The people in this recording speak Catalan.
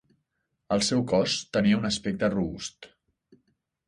El seu cos tenia un aspecte robust.